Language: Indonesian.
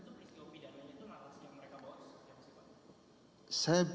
itu peristiwa pidananya itu maksudnya mereka buat